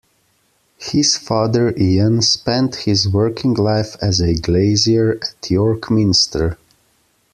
His father Ian spent his working life as a glazier at York Minster.